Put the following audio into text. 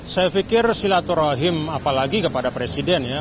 saya pikir silaturahim apalagi kepada presiden ya